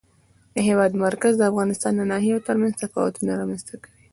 د هېواد مرکز د افغانستان د ناحیو ترمنځ تفاوتونه رامنځ ته کوي.